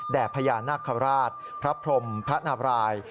พญานาคาราชพระพรมพระนาบราย